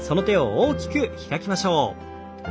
大きく開きましょう。